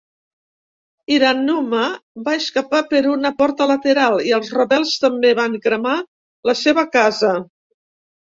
Hiranuma va escapar per una porta lateral i els rebels també van cremar la seva casa.